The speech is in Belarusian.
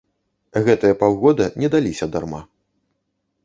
Гэтыя паўгода не даліся дарма.